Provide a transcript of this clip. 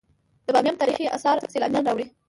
د بامیان تاریخي اثار سیلانیان راوړي